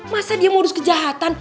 masa dia modus kejahatan